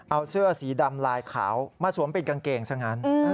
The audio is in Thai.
เอาเสื้อสีดำลายขาวมาสวมเป็นกางเกงซะงั้น